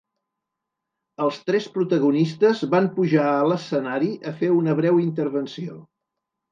Els tres protagonistes van pujar a l’escenari a fer una breu intervenció.